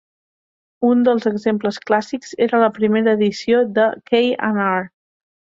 Un dels exemples clàssics era la primera edició de K and R.